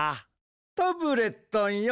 タブレットンよ